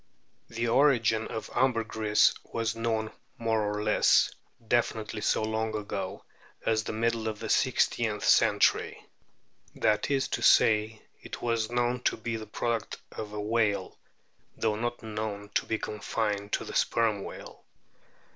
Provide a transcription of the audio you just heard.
* The origin of ambergris was known more or less definitely so long ago as the middle of the sixteenth century. That is to say, it was known to be the product of a whale, though not known to be confined to the Sperm whale.